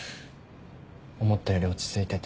思ったより落ち着いてて。